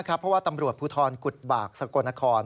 เพราะว่าตำรวจภูทรกุฎบากสกลนคร